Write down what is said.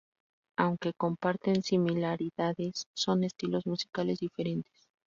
Aunque comparten similaridades, son estilos musicales diferentes.